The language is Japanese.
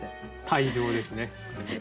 退場ですね。